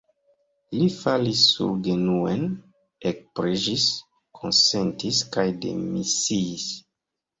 Li falis surgenuen, ekpreĝis, konsentis kaj demisiis.